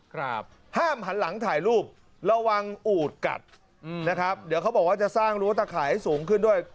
ครับห้ามหันหลังถ่ายรูประวังอูดกัดอืมนะครับเดี๋ยวเขาบอกว่าจะสร้างรั้วตะข่ายให้สูงขึ้นด้วย